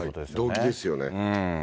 動機ですよね。